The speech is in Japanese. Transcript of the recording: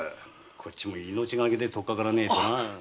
こっちも命がけでとっかからねえとな。